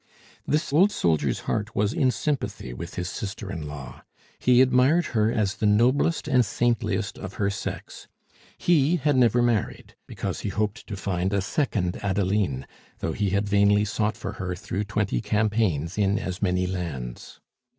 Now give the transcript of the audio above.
This old soldier's heart was in sympathy with his sister in law; he admired her as the noblest and saintliest of her sex. He had never married, because he hoped to find a second Adeline, though he had vainly sought for her through twenty campaigns in as many lands.